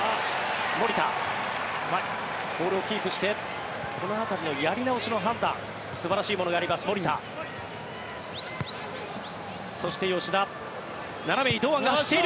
守田、ボールをキープしてこの辺りのやり直しの判断素晴らしいものがあります守田。